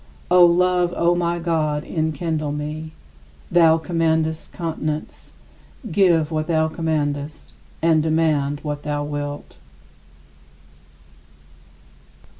O Love, O my God, enkindle me! Thou commandest continence; give what thou commandest, and command what thou wilt.